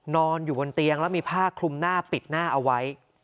นอนอยู่บนเตียงแล้วมีผ้าคลุมหน้าปิดหน้าเอาไว้